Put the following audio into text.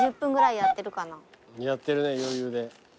やってるね余裕で。